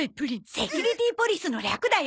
セキュリティーポリスの略だよ！